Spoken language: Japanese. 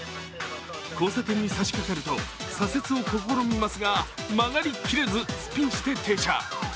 交差点にさしかかると左折を試みますが曲がり切れず、スピンして停車。